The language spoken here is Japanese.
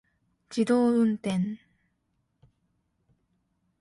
自動運転